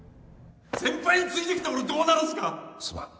先輩についてきた俺どうなるすまん。